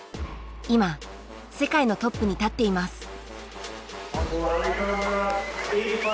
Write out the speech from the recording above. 今世界のトップに立っています。